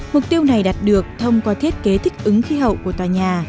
mục tiêu này đạt được thông qua thiết kế thích ứng khí hậu của tòa nhà